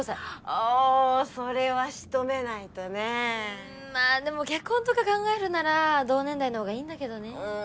おぉそれはしとめないとねうんまぁでも結婚とか考えるなら同年代のほうがいいんだけどね